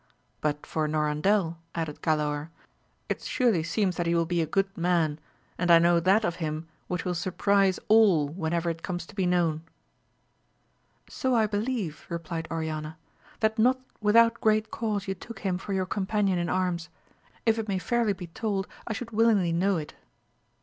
But for Norandel, added Galaor, it surely seems that he will be a good man, and I know that of him which will surprize all whenever it comes to be known. So I believe, replied Oriana, that not without great cause you took him for your companion in arms , if it may fairly be told, I should willingly 182 AMADIS OF GAVL, know it.